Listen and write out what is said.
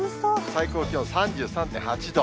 最高気温３３．８度。